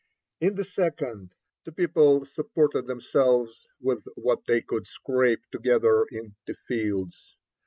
In the second, the people supported themselves with what they could scrape together in the fields.